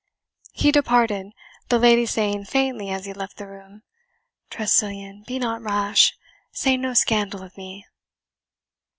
He departed, the lady saying faintly as he left the room, "Tressilian, be not rash say no scandal of me."